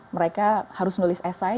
mereka harus menulis smp